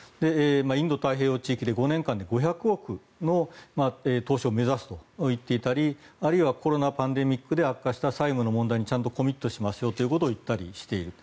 インド太平洋地域で５年間で５００億の投資を目指すと言っていたりあるいは、コロナパンデミックで悪化した最後の問題にちゃんとコミットしますといったりしている。